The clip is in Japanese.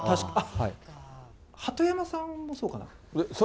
鳩山さんもそうか。